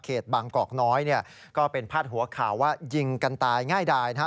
บางกอกน้อยเนี่ยก็เป็นพาดหัวข่าวว่ายิงกันตายง่ายดายนะฮะ